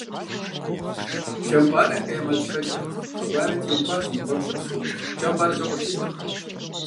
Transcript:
«КӀэмпӀарэхэ я мэл щэкӀэ» хъыбарри теухуащ мы къуэм щыпсэуа КӀэмпӀарэ зэкъуэшитӀым.